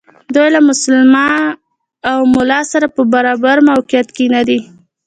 دوی له مسلمان او ملا سره په برابر موقعیت کې ندي.